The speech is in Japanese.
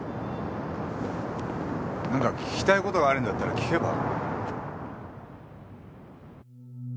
何か聞きたい事があるんだったら聞けば？